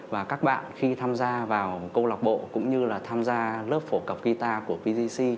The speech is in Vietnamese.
và các bạn khi tham gia vào câu lạc bộ cũng như là tham gia lớp phổ cập guitar của pgc